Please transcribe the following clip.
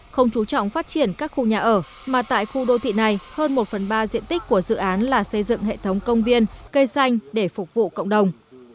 không chú trọng phát triển các khu nhà ở mà tại khu đô thị này hơn một phần ba diện tích của dự án là xây dựng hệ thống công viên cây xanh để phục vụ cộng đồng